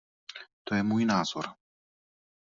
To je můj názor.